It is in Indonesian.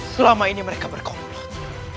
selama ini mereka berkomplot